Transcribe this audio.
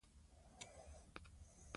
دی یو زړور انسان دی.